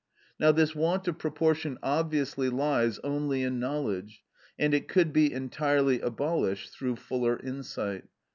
Now this want of proportion obviously lies only in knowledge, and it could be entirely abolished through fuller insight.